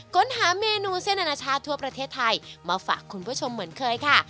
ค้นหาเมนูเส้นอนาชาติทั่วประเทศไทยมาฝากคุณผู้ชมเหมือนเคยค่ะ